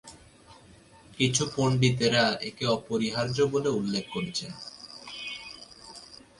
কিছু পণ্ডিতেরা এটিকে অপরিহার্য বলে উল্লেখ করেছেন।